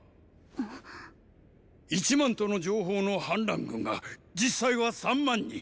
一万との情報の反乱軍が実際は三万に。